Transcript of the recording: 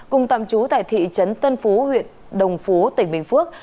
cùng tạm trú tại thị trấn tân phú huyện đồng phú tỉnh bình phước